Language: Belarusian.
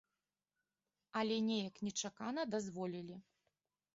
Але неяк нечакана дазволілі.